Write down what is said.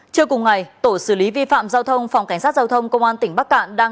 trước cùng ngày tổ xử lý vi phạm giao thông phòng cảnh sát giao thông công an tỉnh bắc cạn